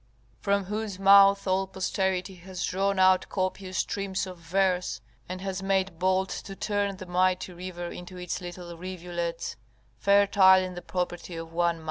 ["From whose mouth all posterity has drawn out copious streams of verse, and has made bold to turn the mighty river into its little rivulets, fertile in the property of one man."